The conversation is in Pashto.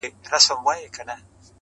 د هيندارو يوه لار کي يې ويده کړم~